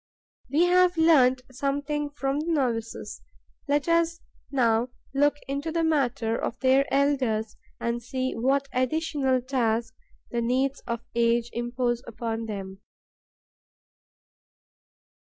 We have learnt something from the novices: let us now look into the matter of their elders and see what additional task the needs of age impose upon them.